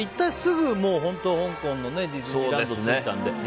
行ってすぐ香港のディズニーランドに着いたので。